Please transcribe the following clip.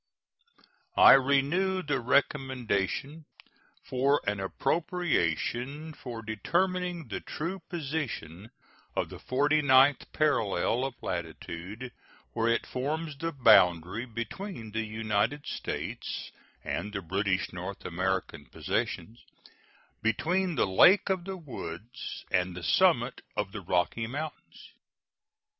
I renew the recommendation for an appropriation for determining the true position of the forty ninth parallel of latitude where it forms the boundary between the United States and the British North American possessions, between the Lake of the Woods and the summit of the Rocky Mountains.